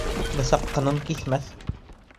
Бысаҡ ҡынын киҫмәҫ.